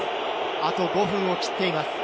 あと５分を切っています。